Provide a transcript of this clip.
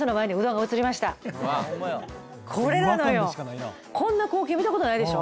これなのよこんな光景見たことないでしょ？